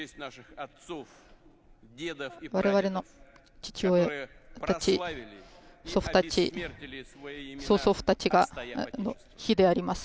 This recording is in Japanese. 我々の父親たち、祖父たち、曾祖父たちの日であります。